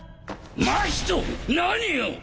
真人何を！